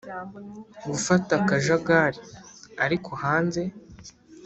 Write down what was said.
gufata akajagari. ariko hanze